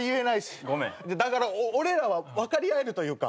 だから俺らは分かり合えるというか。